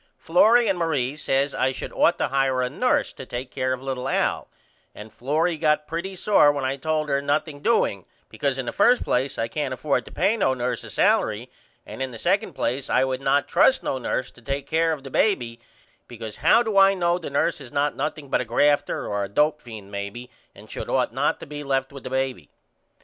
Florrie and Marie says I should ought to hire a nurse to take care of little Al and Florrie got pretty sore when I told her nothing doing because in the first place I can't afford to pay no nurse a salery and in the second place I would not trust no nurse to take care of the baby because how do I know the nurse is not nothing but a grafter or a dope fiend maybe and should ought not to be left with the baby?